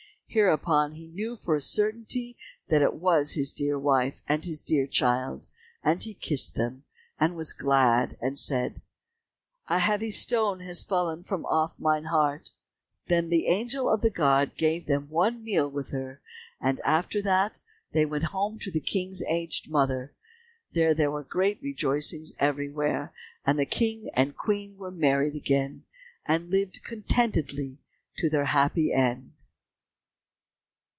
Hereupon he knew for a certainty that it was his dear wife and his dear child, and he kissed them, and was glad, and said, "A heavy stone has fallen from off mine heart." Then the angel of God gave them one meal with her, and after that they went home to the King's aged mother. There were great rejoicings everywhere, and the King and Queen were married again, and lived contentedly to their happy end.